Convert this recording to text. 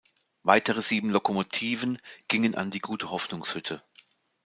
Weitere sieben Lokomotiven gingen an die Gutehoffnungshütte.